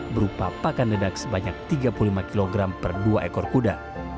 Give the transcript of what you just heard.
berupa pakan dedak sebanyak tiga puluh lima kg per dua ekor kuda